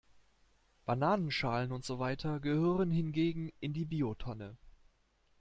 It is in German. Bananenschalen und so weiter gehören hingegen in die Biotonne.